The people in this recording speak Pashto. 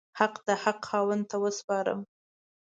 حق د حق خاوند ته وسپارم.